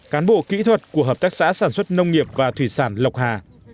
cán bộ kỹ thuật của hợp tác xã sản xuất nông nghiệp và thủy sản lộc hà